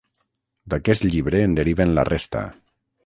D'aquest llibre en deriven la resta.